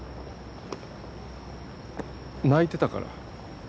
泣いてたから。